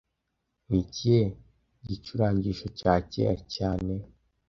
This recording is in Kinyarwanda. Ni ikihe gicurangisho cya kera cyane